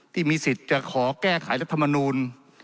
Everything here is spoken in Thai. ที่มีสิทธิ์จะขอแก้ไขรัฐมนูล